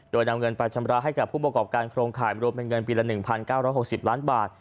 โดยนำเงินไปชำระให้กับผู้ประกอบการโครงข่ายรวมเป็นเงินปีละ๑๙๖๐ล้านบาท